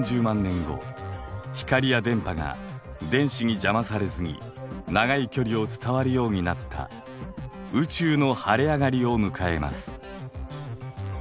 後光や電波が電子に邪魔されずに長い距離を伝わるようになった宇宙の晴れ上がりを迎えます。